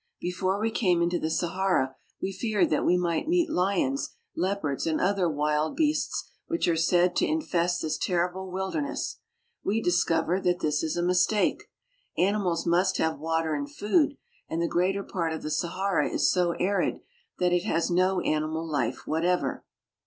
Before we came into the Sahara we beared that we might Vineet lions, leopards, ft ,,,.,, Arabs oi Tripoli. ■and the other wild r1>easts which are said to infest this terrible wilderness. We discover that this is a mistake. Animals must have water and food, and the greater part of the Sahara is so arid that it has no animal Ufe whatever.